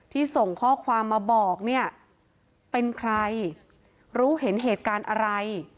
ส่งข้อความมาบอกเนี่ยเป็นใครรู้เห็นเหตุการณ์อะไร